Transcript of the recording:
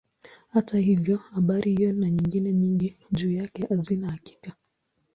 Hata hivyo habari hiyo na nyingine nyingi juu yake hazina hakika.